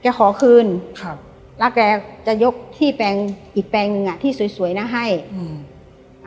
ขอคืนครับแล้วแกจะยกที่แปลงอีกแปลงหนึ่งอ่ะที่สวยสวยนะให้อืม